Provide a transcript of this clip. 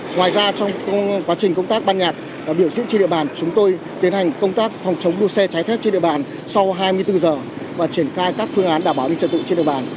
ngoài ra trong quá trình công tác ban nhạc và biểu diễn trên địa bàn chúng tôi tiến hành công tác phòng chống đua xe trái phép trên địa bàn sau hai mươi bốn h